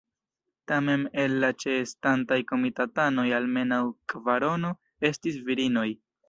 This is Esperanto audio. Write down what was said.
Tamen el la ĉeestantaj komitatanoj almenaŭ kvarono estis virinoj.